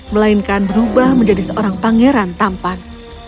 melainkan berubah menjadi seorang pangeran tampan